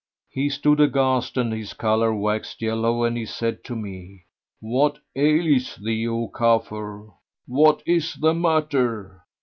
he stood aghast and his colour waxed yellow and he said to me, "What aileth thee O Kafur! What is the matter?"